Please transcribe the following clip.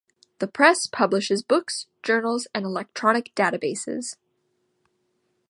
The Press publishes books, journals, and electronic databases.